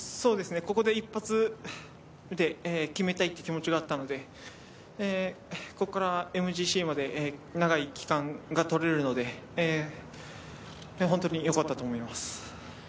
ここで一発で決めたいという気持ちがあったのでここからＭＧＣまで長い期間が取れるので本当に良かったと思います。